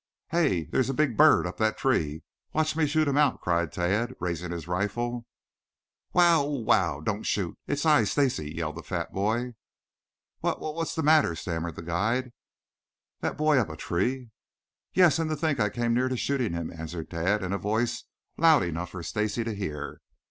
"Hey! There's a big bird up that tree. Watch me shoot him out," cried Tad, raising his rifle. "Wow, oh, wow! Don't shoot! It's I, Stacy," yelled the fat boy. "What what what's that?" stammered the guide. "That boy up a tree?" "Yes, and to think I came near shooting him," answered Tad, in a voice loud enough for Stacy to hear.